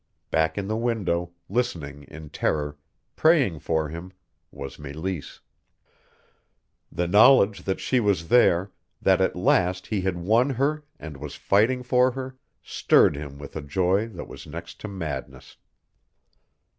Back in the window, listening in terror, praying for him, was Meleese. The knowledge that she was there, that at last he had won her and was fighting for her, stirred him with a joy that was next to madness.